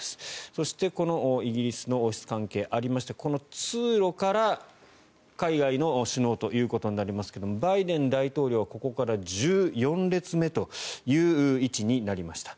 そして、イギリスの王室関係がありましてこの通路から海外の首脳ということになりますがバイデン大統領はここから１４列目という位置になりました。